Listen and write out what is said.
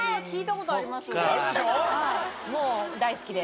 もう大好きで？